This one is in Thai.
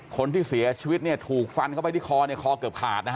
คนที่เสียชีวิตถูกฟันเข้าไปที่คอเกือบขาดนะฮะ